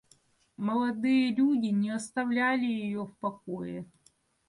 Молодые люди не оставляли ее в покое.